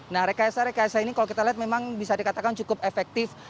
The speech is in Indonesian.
nah rekayasa rekayasa ini kalau kita lihat memang bisa dikatakan cukup efektif